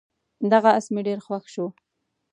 دغه اس مې ډېر خوښ شو.